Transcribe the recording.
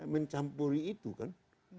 mencampuri itu kan